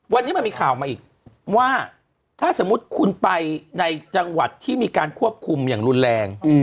วันนี้มันมีข่าวมาอีกว่าถ้าสมมุติคุณไปในจังหวัดที่มีการควบคุมอย่างรุนแรง